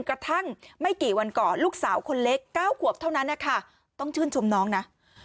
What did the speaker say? กระทั่งไม่กี่วันก่อนลูกสาวคนเล็ก๙ขวบเท่านั้นนะคะต้องชื่นชมน้องนะ